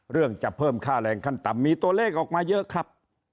จะเพิ่มค่าแรงขั้นต่ำมีตัวเลขออกมาเยอะครับ